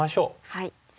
はい。